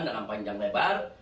dalam panjang lebar